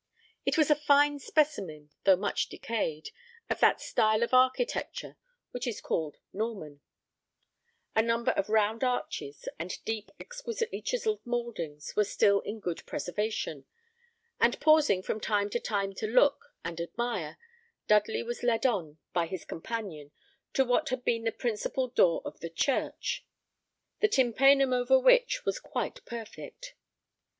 It was a fine specimen, though much decayed, of that style of architecture which is called Norman; a number of round arches, and deep, exquisitely chiselled mouldings, were still in good preservation; and pausing from time to time to look and admire, Dudley was led on by his companion to what had been the principal door of the church, the tympanum over which was quite perfect.